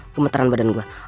kemetaran badan gua